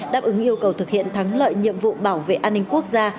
đáp ứng yêu cầu thực hiện thắng lợi nhiệm vụ bảo vệ an ninh quốc gia